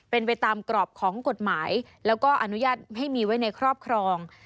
เป็นไปตามกรอบของกฎหมายแล้วก็อนุญาตให้มีไว้ในครอบครอง